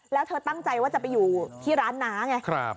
แล้วเธอตั้งใจว่าจะไปอยู่ที่ร้านน้าไง